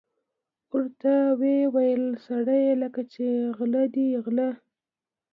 ورته ویې ویل: سړیه لکه چې غله دي غله.